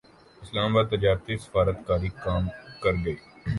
اسلام اباد تجارتی سفارت کاری کام کرگئی